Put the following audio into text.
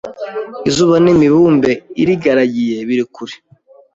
izuba n’imibumbe irigaragiye biri kure